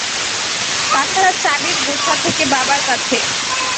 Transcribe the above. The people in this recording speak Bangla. তা ছাড়া চাবির গোছা থাকে বাবার কাছে।